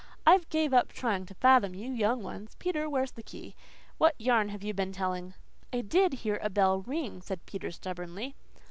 "I've gave up trying to fathom you young ones. Peter, where's the key? What yarn have you been telling?" "I DID hear a bell ring," said Peter stubbornly.